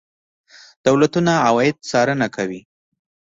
دولتونه عواید څارنه کوي.